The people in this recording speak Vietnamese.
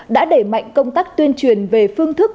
đã đẩy mạnh công tác tuyên truyền về phương thức